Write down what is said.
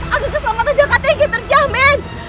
agar keselamatan jakarta yang terjamin